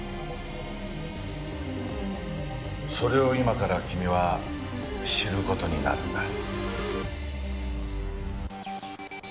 それを今から君は知る事になるんだ。